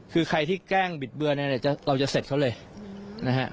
คือใครที่แกล้งบิดเบือนอะไรเนี่ยเราจะเสร็จเขาเลยนะฮะ